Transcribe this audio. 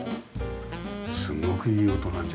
すごくいい音なんじゃ。